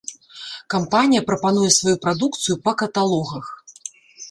Кампанія прапануе сваю прадукцыю па каталогах.